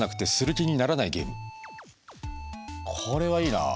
これはいいなあ。